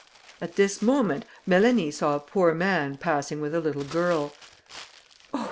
'" At this moment, Mélanie saw a poor man passing with a little girl. "Oh!